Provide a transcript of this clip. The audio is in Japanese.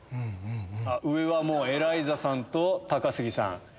上はエライザさんと高杉さん。